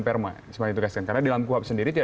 perma karena di dalam kuhap sendiri tidak